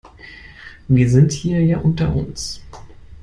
Wir sind hier ja unter uns.